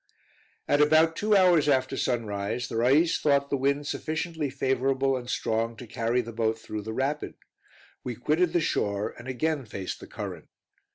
At about two hours after sunrise, the Rais thought the wind sufficiently favorable and strong to carry the boat through the rapid. We quitted the shore, and again faced the current.